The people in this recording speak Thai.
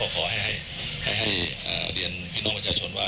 ขอให้เรียนพี่น้องประชาชนว่า